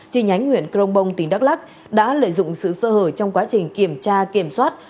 trên nhánh huyện cronbong tỉnh đắk lắc đã lợi dụng sự sơ hở trong quá trình kiểm tra kiểm soát